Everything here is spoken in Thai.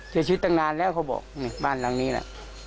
เสียชีวิตตั้งนานแล้วเขาบอกนี่บ้านหลังนี้แหละ